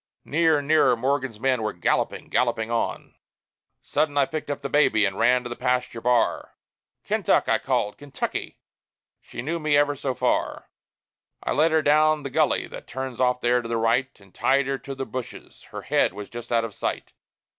Near, nearer, Morgan's men were galloping, galloping on! Sudden I picked up baby, and ran to the pasture bar. "Kentuck!" I called "Kentucky!" She knew me ever so far! I led her down the gully that turns off there to the right, And tied her to the bushes; her head was just out of sight.